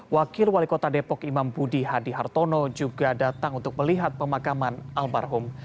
wakil wali kota depok imam budi hadi hartono juga datang untuk melihat pemakaman almarhum